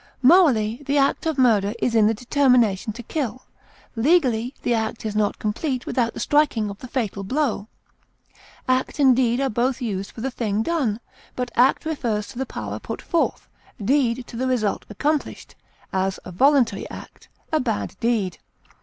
Morally, the act of murder is in the determination to kill; legally, the act is not complete without the striking of the fatal blow. Act and deed are both used for the thing done, but act refers to the power put forth, deed to the result accomplished; as, a voluntary act, a bad deed.